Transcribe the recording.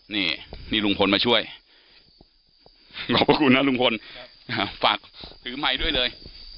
นี่นี่ลุงพลมาช่วยขอบคุณนะลุงพลฝากถือไมค์ด้วยเลย